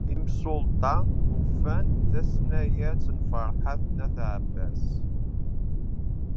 Imsulta ufan-d tasnasɣalt n Ferḥat n At Ɛebbas.